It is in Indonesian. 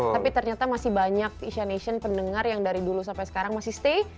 tapi ternyata masih banyak asian asian pendengar yang dari dulu sampai sekarang masih stay